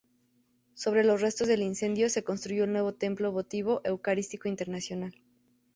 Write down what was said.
Sobre los restos del incendio se construyó el nuevo "Templo Votivo Eucarístico Internacional".